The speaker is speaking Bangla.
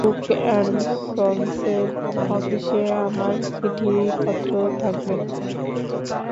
কুক এণ্ড সন্সের অফিসে আমার চিঠিপত্র থাকবে।